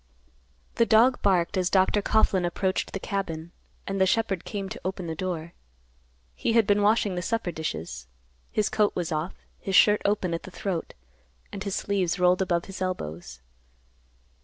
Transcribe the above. The dog barked as Dr. Coughlan approached the cabin, and the shepherd came to the open door. He had been washing the supper dishes. His coat was off, his shirt open at the throat, and his sleeves rolled above his elbows.